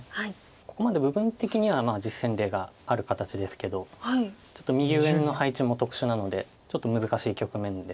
ここまで部分的には実戦例がある形ですけどちょっと右上の配置も特殊なのでちょっと難しい局面です。